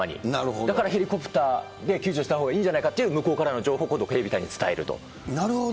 だからヘリコプターで救助したほうがいいんじゃないかという、向こうからの情報を、なるほど。